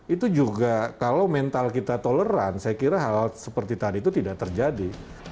itu juga kalau mental kita toleran saya kira hal hal seperti tadi itu tidak terjadi